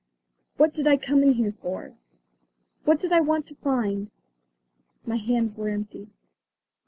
"What did I come in here for? What did I want to find?" My hands were empty.